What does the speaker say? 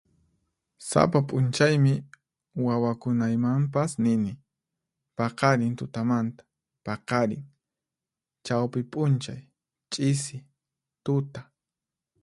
Sapa p'unchaymi wawakunaymanpas nini: paqarin tutamanta, paqarin, chawpi p'unchay, ch'isi, tuta.